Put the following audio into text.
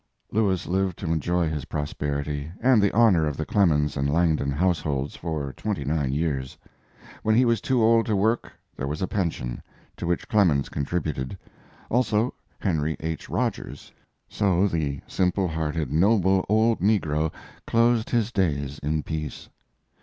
Lewis lived to enjoy his prosperity, and the honor of the Clemens and Langdon households, for twenty nine years. When he was too old to work there was a pension, to which Clemens contributed; also Henry H. Rogers. So the simple hearted, noble old negro closed his days in peace.